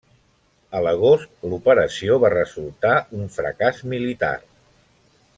A l'agost, l'operació va resultar un fracàs militar.